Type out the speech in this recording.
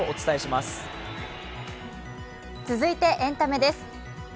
続いてエンタメです。